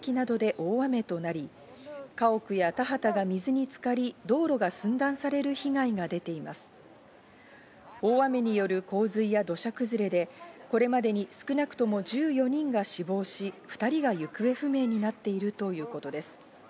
大雨による洪水や土砂崩れでこれまでに少なくとも１４人が死亡し、２人が行方不明になっているということです。